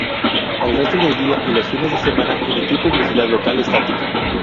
El resto del día y los fines de semana emitía publicidad local estática.